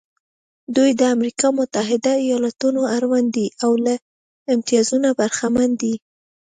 دوی د امریکا متحده ایالتونو اړوند دي او له امتیازونو برخمن دي.